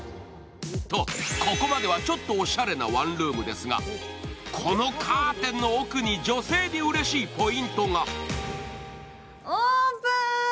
と、ここまではちょっとおしゃれなワンルームですが、このカーテンの奥に女性にうれしいポイントが。